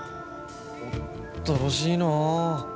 おっとろしいなあ。